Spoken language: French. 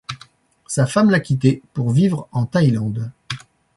Sa femme l’a quitté pour vivre en Thaïlande.